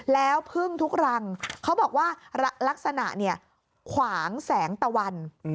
แล้วพึ่งทุกรังเขาบอกว่าลักษณะเนี่ยขวางแสงตะวัน